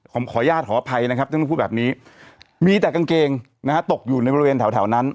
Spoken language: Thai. ผมขออนุญาตขออภัยนะครับท่านต้องพูดแบบนี้มีแต่กางเกงนะฮะตกอยู่ในบริเวณแถวนั้น